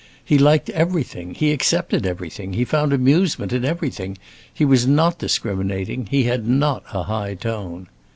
He liked everything, he accepted everything, he found amusement in everything; he was not discriminating, he had not a high tone.